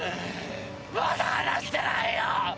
まだ話してないよ